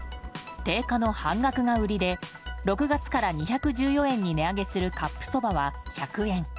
定価の半額が売りで６月から２１４円に値上げするカップそばは１００円に。